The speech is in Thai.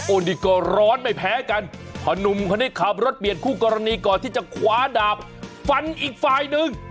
โอดีก็ร้อนไม่แพ้กันผนุมคนนี้ครับรถเปลี่ยนคู่กรณีก่อนที่จะขวาดาบฝันอีกฝ่ายนึง